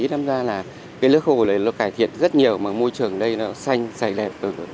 nên là nước hồ này đã cải thiện rất nhiều môi trường ở đây xanh dày đẹp